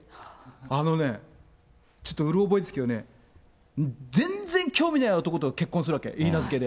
あのね、ちょっとうろ覚えですけどね、全然興味のない男と結婚するわけ、いいなづけで。